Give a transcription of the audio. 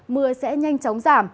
mưa sẽ nhanh chóng giảm